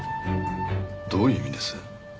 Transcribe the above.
どういう意味です？